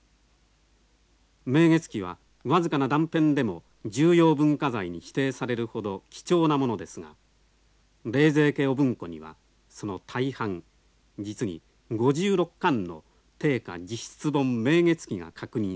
「明月記」は僅かな断片でも重要文化財に指定されるほど貴重なものですが冷泉家御文庫にはその大半実に５６巻の定家自筆本「明月記」が確認されました。